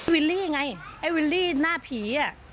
วิลลี่ไงไอ้วิลลี่หน้าผีอ่ะ